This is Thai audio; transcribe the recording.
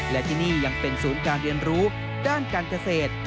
และที่นี่ยังเป็นศูนย์การเรียนรู้ด้านการเกษตร